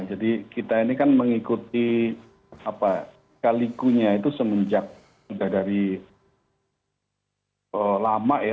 jadi kita ini kan mengikuti apa kalikunya itu semenjak sudah dari lama ya